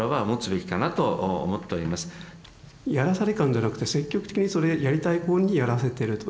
やらされ感じゃなくて積極的にそれやりたい子にやらせてると。